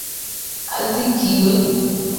Azikiwe